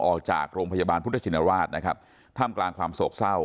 ออกจากโรงพยาบาลพุทธชินราชนะครับท่ามกลางความโศกเศร้า